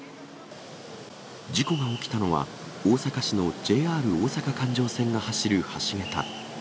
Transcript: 事故が起きたのは、大阪市のＪＲ大阪環状線が走る橋桁。